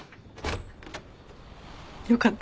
よかった。